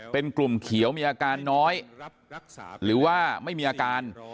เป็นกลุ่มเขียวมีอาการน้อยหรือว่าไม่มีอาการ